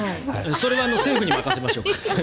それは政府に任せましょう。